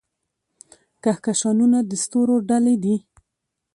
کهکشانونه د ستورو ډلې دي.